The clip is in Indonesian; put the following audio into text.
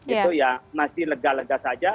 itu ya masih lega lega saja